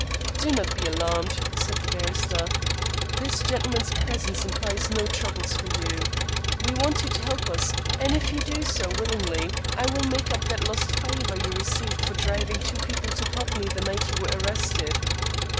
"Do not be alarmed," said the barrister; "this gentleman's presence implies no trouble for you. We want you to help us, and if you do so willingly I will make up that lost fiver you received for driving two people to Putney the night you were arrested."